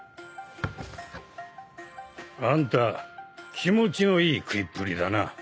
あんた気持ちのいい食いっぷりだな。